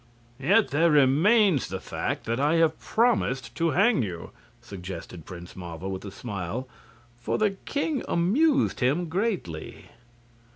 "Yet there remains the fact that I have promised to hang you," suggested Prince Marvel, with a smile, for the king amused him greatly.